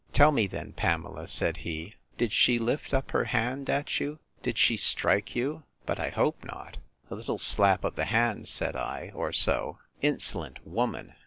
Tell me, then, Pamela, said he, did she lift up her hand at you? Did she strike you? But I hope not! A little slap of the hand, said I, or so.—Insolent woman!